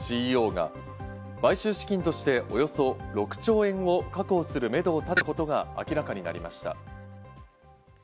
ＣＥＯが買収資金としておよそ６兆円を確保するめどを立てたことが明らかになりました。